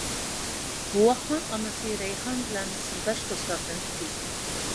بوۋاقنىڭ ئانىسى رەيھان بىلەن سىرداش دوستلاردىن ئىدى.